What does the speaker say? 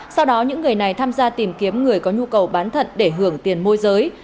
sau đó những người này tham gia tìm kiếm người có nhu cầu bán thận để hưởng tiền môi giới